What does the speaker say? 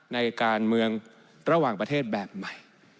ในการเมืองระหว่างประเทศแบบใหม่